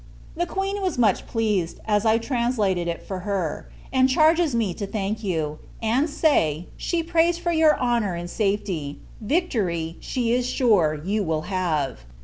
The Queen was much pleased, as I translated it for her: and charges me to thank you; and say, she prays for your honour and safety victory, she is sure you will have.